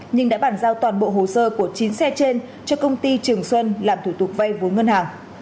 nhưng đã bàn giao toàn bộ hồ sơ của chín xe trên cho công ty trường xuân làm thủ tục vay vốn ngân hàng